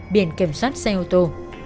biển kiểm soát xe ô tô